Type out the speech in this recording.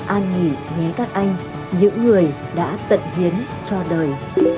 an nghỉ nghé các anh những người đã tận hiến cho đời